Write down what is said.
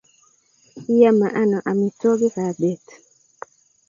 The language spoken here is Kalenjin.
Iame ano amitwogikab beet?